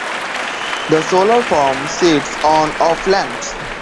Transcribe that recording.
The solar farm sits on of land.